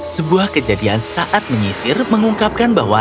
sebuah kejadian saat menyisir mengungkapkan bahwa